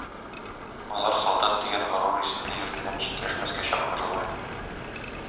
Алар солдат дигән горур исемне йөртүдән читләшмәскә чакырдылар.